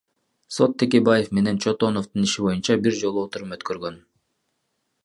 Сот Текебаев менен Чотоновдун иши боюнча бир жолу отурум өткөргөн.